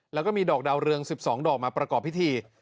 แล้วก็มีดอกดาวเรือง๑๒ดอกมาประกอบพิธี